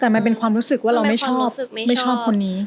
แต่มันเป็นความรู้สึกว่าเราไม่ชอบไม่ชอบคนนี้